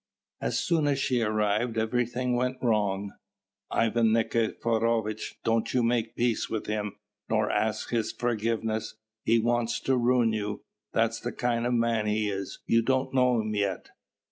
As soon as she arrived, everything went wrong. "Ivan Nikiforovitch, don't you make peace with him, nor ask his forgiveness; he wants to ruin you; that's the kind of man he is! you don't know him yet!"